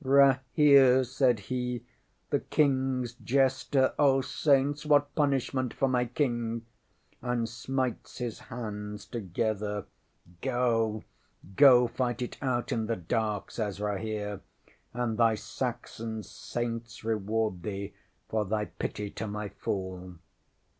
ŌĆ£Rahere? ŌĆØ said he. ŌĆ£The KingŌĆÖs jester? Oh, Saints, what punishment for my King! ŌĆØ and smites his hands together. ŌĆśŌĆ£Go go fight it out in the dark, ŌĆØ says Rahere, ŌĆ£and thy Saxon Saints reward thee for thy pity to my fool.